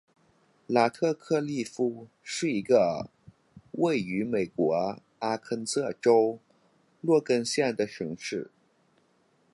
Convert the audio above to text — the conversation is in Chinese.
拉特克利夫是一个位于美国阿肯色州洛根县的城市。